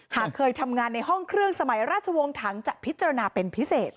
หากเคยทำงานในห้องเครื่องสมัยราชวงศ์ถังจะพิจารณาเป็นพิเศษ